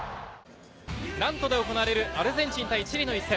ナントで行われるアルゼンチン対チリの一戦。